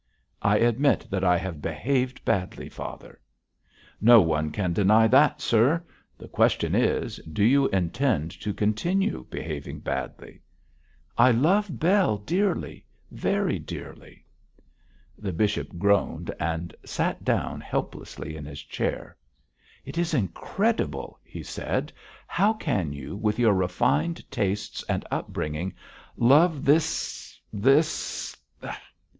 'I admit that I have behaved badly, father.' 'No one can deny that, sir. The question is, do you intend to continue behaving badly?' 'I love Bell dearly very dearly!' The bishop groaned and sat down helplessly in his chair. 'It is incredible,' he said. 'How can you, with your refined tastes and up bringing, love this this